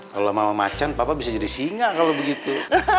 kalau mama macan papa bisa jadi singa kalau begitu